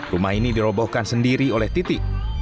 rumah ini dirobohkan sendiri oleh titi